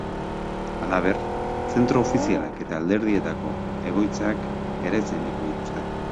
Halaber, zentro ofizialak eta alderdietako egoitzak ere zainduko dituzte.